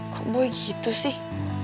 kok gue gitu sih